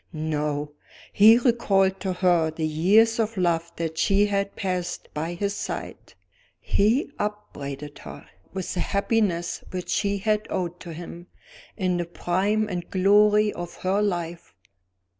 No! he recalled to her the years of love that she had passed by his side; he upbraided her with the happiness which she had owed to him, in the prime and glory of her life.